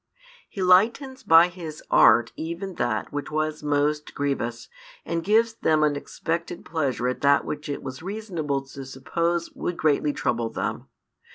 He lightens by His art even that which was most grievous, and gives them unexpected pleasure at that which it was reasonable to suppose would greatly trouble them.